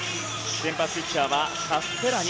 先発ピッチャーはカステラニ。